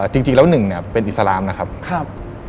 จริงแล้วหนึ่งเนี่ยเป็นอิสลามนะครับ